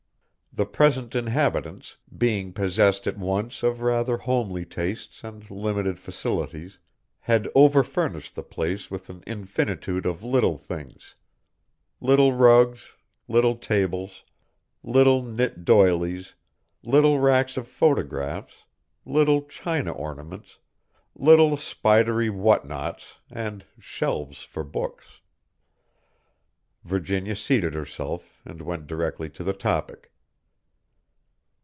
The present inhabitants, being possessed at once of rather homely tastes and limited facilities, had over furnished the place with an infinitude of little things little rugs, little tables, little knit doilies, little racks of photographs, little china ornaments, little spidery what nots, and shelves for books. Virginia seated herself, and went directly to the topic.